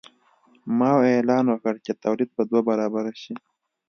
ماوو اعلان وکړ چې تولید به دوه برابره شي.